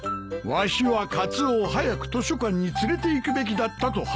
わしはカツオを早く図書館に連れていくべきだったと反省しとる。